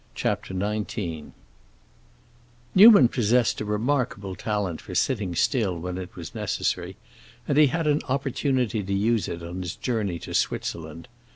CHAPTER XIX Newman possessed a remarkable talent for sitting still when it was necessary, and he had an opportunity to use it on his journey to Switzerland.